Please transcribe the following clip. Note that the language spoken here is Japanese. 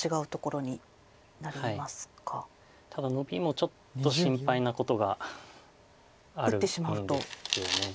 ただノビもちょっと心配なことがあるんですよね。